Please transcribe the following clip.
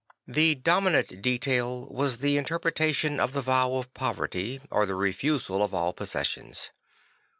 The dominant detail was the interpretation of the vow of poverty, or the refusal of all possessions.